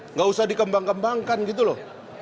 nggak usah dikembang kembangkan gitu loh